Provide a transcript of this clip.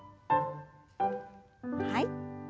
はい。